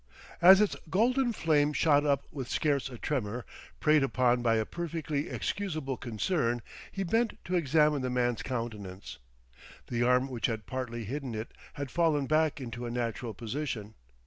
As its golden flame shot up with scarce a tremor, preyed upon by a perfectly excusable concern, he bent to examine the man's countenance.... The arm which had partly hidden it had fallen back into a natural position.